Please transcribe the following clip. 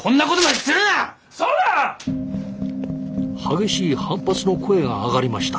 激しい反発の声が上がりました。